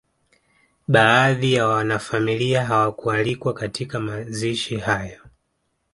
Baadhi ya wanafamilia hawakualikwa katika mazishi hayo